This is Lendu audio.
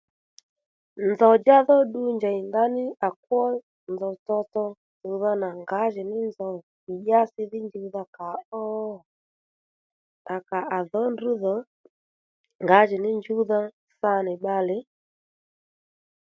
Nzòw djá dhó ddu njèy ndaní à kwó nzòw tsotso tsùwdha nà ngǎ-jì- ní nzòw ì dyási dhí njuwdha kà ó à kà à dhǒ ndrǔ dhò ngǎjìní njùwdha sa nì bbalè